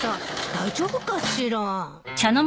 大丈夫かしら。